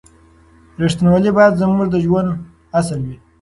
رښتینولي باید زموږ د ژوند اصل وي.